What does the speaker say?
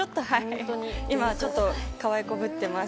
今ちょっとかわいこぶってます。